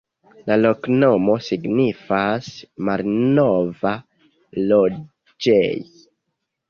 La loknomo signifas: malnova-loĝej'.